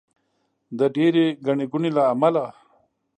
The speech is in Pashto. د ډېرې ګڼې ګوڼې له امله.